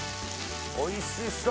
おいしそう！